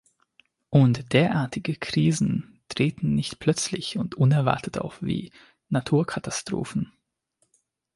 Und derartige Krisen treten nicht plötzlich und unerwartet auf wie Naturkatastrophen.